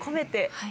はい。